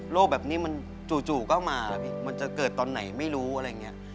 แบบนี้มันจู่ก็มาพี่มันจะเกิดตอนไหนไม่รู้อะไรอย่างนี้